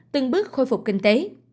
từng bước khôi phục kinh tế